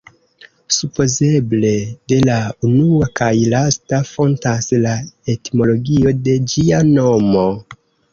Supozeble de la unua kaj lasta fontas la etimologio de ĝia nomo.